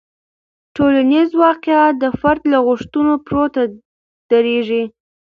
ټولنیز واقیعت د فرد له غوښتنو پورته دریږي.